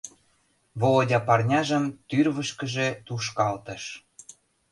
— Володя парняжым тӱрвышкыжӧ тушкалтыш.